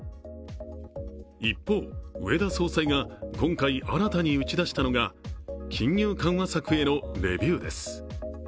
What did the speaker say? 一方、植田総裁が今回、新たに打ち出したのが金融緩和策へのレビューです。